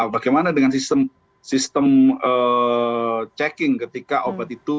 bagaimana dengan sistem checking ketika obat itu